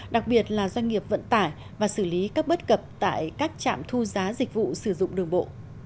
đặc biệt là doanh nghiệp vận tải và xử lý các bất cập tại các trạm thu giá dịch vụ sử dụng đường bộ